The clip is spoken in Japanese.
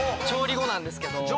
調理後なんですけど。